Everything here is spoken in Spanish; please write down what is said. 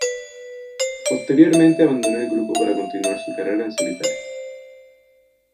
Posteriormente abandonó el grupo para continuar su carrera en solitario.